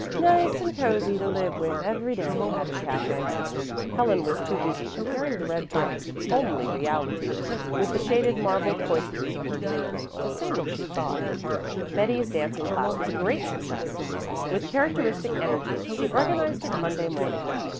"Nice and cozy to live with every day," added Katherine. Helen was too busy comparing the red brick, homely reality with the shaded marble cloisters of her dreams, to say what she thought. Betty's dancing class was a great success. With characteristic energy she organized it Monday morning.